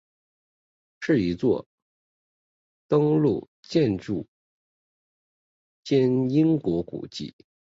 是一座登录建筑兼英国古迹。